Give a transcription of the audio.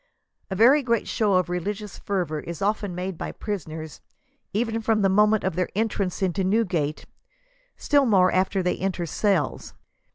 A very great show of religious fervor is often made by prisoners, even from the moment of their en trance into Newgate, still more after they enter the cells.